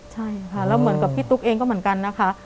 ใช่ค่ะแล้วเหมือนกับพี่ตุ๊กเองก็เหมือนกันนะคะ